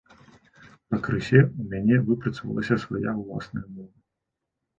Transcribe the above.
Пакрысе ў мяне выпрацавалася свая ўласная мова.